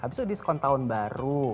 abis itu diskon tahun baru